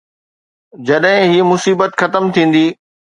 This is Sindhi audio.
جڏهن هي مصيبت ختم ٿيندي.